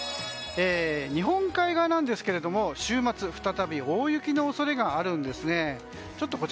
日本海側なんですけれども週末、再び大雪の恐れがあるんですね。